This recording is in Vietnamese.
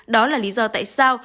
đó là lý do tại sao